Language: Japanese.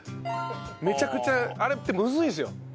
めちゃくちゃあれってむずいんですよ。